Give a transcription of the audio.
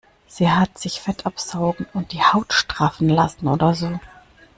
Sie hat sich Fett absaugen und die Haut straffen lassen oder so.